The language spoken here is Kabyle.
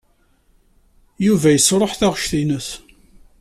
Yuba yesṛuḥ taɣect-nnes.